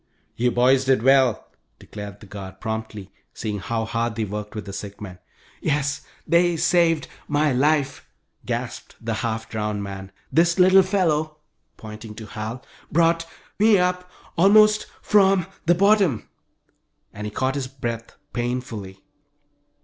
"You boys did well!" declared the guard, promptly, seeing how hard they worked with the sick man. "Yes they saved my life!" gasped the half drowned man. "This little fellow" pointing to Hal "brought me up almost from the bottom!" and he caught his breath, painfully.